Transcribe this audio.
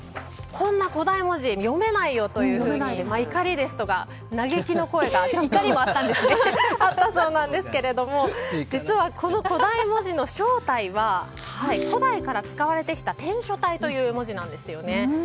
こんな古代文字読めないよというふうに怒りですとか嘆きの声もあったそうなんですけども実は、この巨大文字の正体は古代から使われてきた篆書体という文字なんですよね。